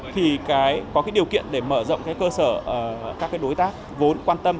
thì có điều kiện để mở rộng cơ sở các đối tác vốn quan tâm